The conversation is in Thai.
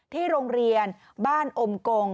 ที่โรงเรียนบ้านอมกง